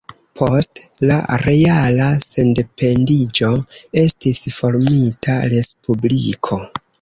Post la reala sendependiĝo estis formita Respubliko.